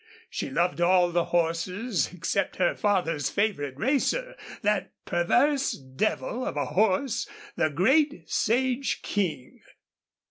She loved all the horses except her father's favorite racer, that perverse devil of a horse, the great Sage King.